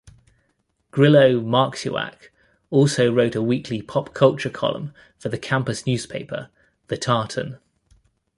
Grillo-Marxuach also wrote a weekly pop-culture column for the campus newspaper, The Tartan.